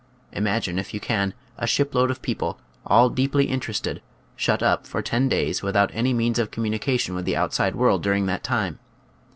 Imagine if you can a ship load of people, all deeply in terested, shut up for ten days without any means of communication with the outside world during that time.